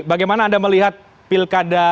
bagaimana anda melihat pilkada